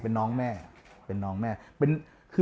เป็นน้าเป็นน้องแม่